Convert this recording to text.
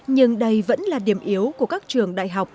nhưng đây vẫn là điểm yếu của các trường đại học